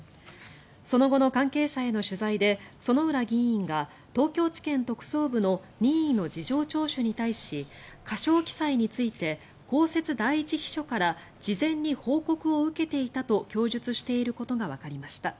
その後の関係者への取材で薗浦議員が東京地検特捜部の任意の事情聴取に対し過少記載について公設第１秘書から事前に報告を受けていたと供述していることがわかりました。